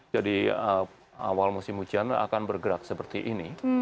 jadi awal musim hujan akan bergerak seperti ini